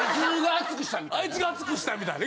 あいつが熱くしたみたいな。